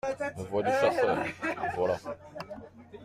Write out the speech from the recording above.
Voix du chasseur. — Voilà !…